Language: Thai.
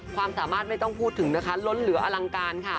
ความสามารถไม่ต้องพูดถึงนะคะล้นเหลืออลังการค่ะ